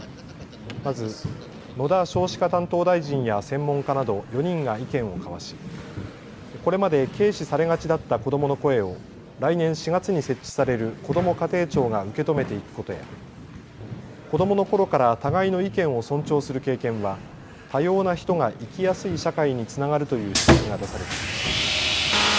まず、野田少子化担当大臣や専門家など４人が意見を交わしこれまで軽視されがちだった子どもの声を来年４月に設置されるこども家庭庁が受け止めていくことや子どものころから互いの意見を尊重する経験は多様な人が生きやすい社会につながるという指摘が出されていました。